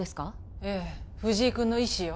ええ藤井君の意志よ